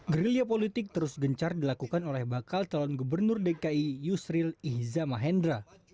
gerilya politik terus gencar dilakukan oleh bakal calon gubernur dki yusril ihza mahendra